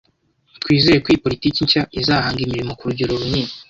Twizere ko iyi politiki nshya izahanga imirimo ku rugero runini.